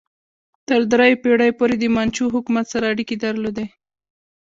تر دریو پیړیو پورې د منچو حکومت سره اړیکې درلودې.